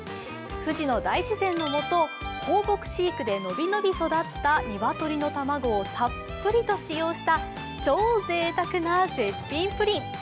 富士の大自然のもと放牧飼育でのびのび育った鶏の卵をたっぷりと使用した超ぜいたくな絶品プリン。